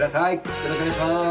よろしくお願いします。